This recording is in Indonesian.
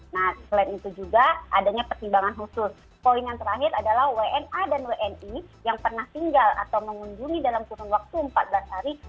nah selain itu juga adanya pertimbangan khusus poin yang terakhir adalah wna dan wni yang pernah tinggal atau mengunjungi dalam kurun waktu empat belas hari